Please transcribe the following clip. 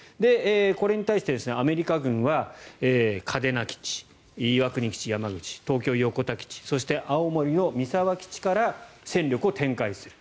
これに対してアメリカ軍は嘉手納基地岩国基地、山口東京、横田基地そして、青森の三沢基地から戦力を展開する。